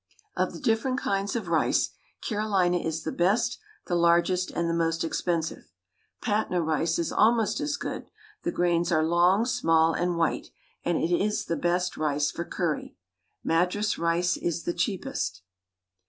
Of the different kinds of rice Carolina is the best, the largest, and the most expensive. Patna rice is almost as good; the grains are long, small, and white, and it is the best rice for curry. Madras rice is the cheapest.